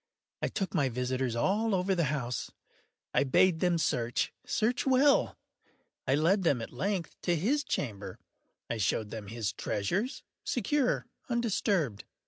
I took my visitors all over the house. I bade them search—search well. I led them, at length, to his chamber. I showed them his treasures, secure, undisturbed.